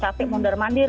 saya capek mundur mandir